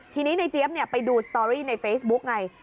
ทีนี้ในเจี๊ยบไปดูสตอรี่ในเฟซบุ๊กไง